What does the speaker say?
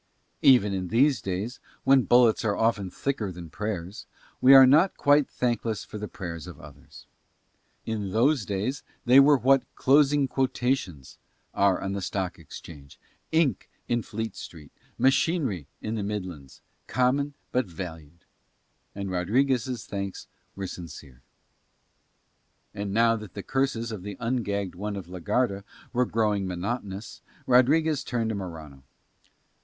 Even in these days, when bullets are often thicker than prayers, we are not quite thankless for the prayers of others: in those days they were what "closing quotations" are on the Stock Exchange, ink in Fleet Street, machinery in the Midlands; common but valued; and Rodriguez' thanks were sincere. And now that the curses of the ungagged one of la Garda were growing monotonous, Rodriguez turned to Morano.